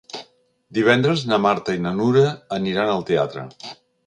Divendres na Marta i na Nura aniran al teatre.